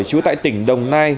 chú tại tỉnh đồng nai